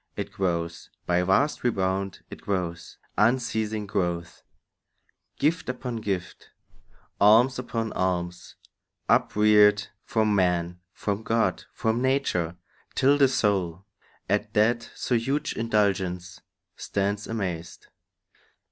It grows— By vast rebound it grows, unceasing growth; Gift upon gift, alms upon alms, upreared, From man, from God, from nature, till the soul At that so huge indulgence stands amazed.